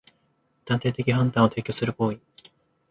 断定的判断を提供する行為